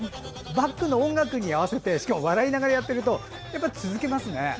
バックの音楽に合わせて笑いながらやっているとやっぱり続けられますね。